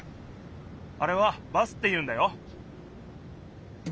あれはバスっていうんだよ。